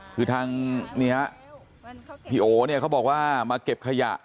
คือทางนี่ฮะพี่โอเนี่ยเขาบอกว่ามาเก็บขยะ